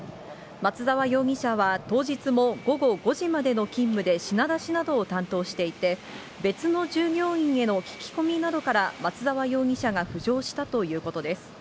松沢容疑者は当日も午後５時までの勤務で、品出しなどを担当していて、別の従業員への聞き込みなどから、松沢容疑者が浮上したということです。